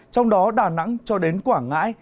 trong đó đà nẵng cho đến quảng ngãi